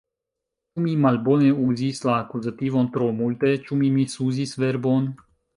Ĉu mi malbone uzis la akuzativon tro multe, Ĉu mi misuzis verbon?